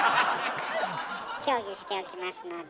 協議しておきますので。